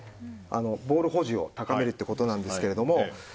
ボール保持を高めるということなんですけど